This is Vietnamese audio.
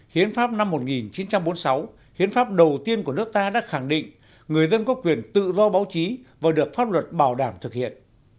hiến pháp năm một nghìn chín trăm bốn mươi sáu hiến pháp đầu tiên của nước ta đã khẳng định người dân có quyền tự do báo chí và được pháp luật bảo đảm thực hiện